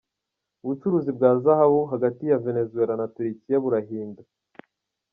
Ubucuruzi bwa zahabu hagati ya Venezuela na Turukiya burahinda.